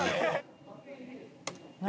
何？